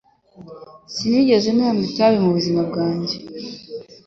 Sinigeze nanywa itabi mubuzima bwanjye.